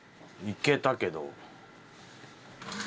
いけたけど。